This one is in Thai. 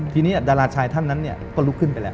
ทีนี้ดาราชายท่านนั้นก็ลุกขึ้นไปแล้ว